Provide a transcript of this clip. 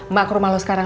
mak ke rumah lu sekarang